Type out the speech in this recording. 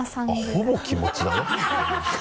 ほぼ気持ちだね。